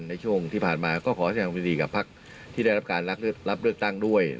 ในช่วงที่ผ่านมาก็ขอแสดงความยินดีกับพักที่ได้รับการรับเลือกตั้งด้วย